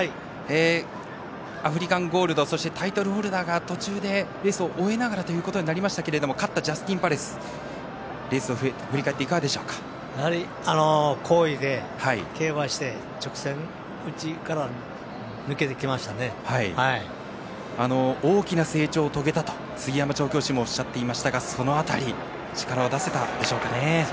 アフリカンゴールドタイトルホルダーが途中でレースを終えながらということになりましたけど勝ったジャスティンパレスレースを振り返ってやはり、好位で競馬して大きな成長を遂げたと杉山調教師もおっしゃっていましたがその辺り力を出せたでしょうかね？